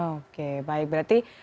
oke baik berarti